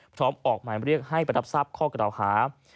พร้อมออกหมายเรียกให้ประทับทรัพย์ข้อกระดาษหา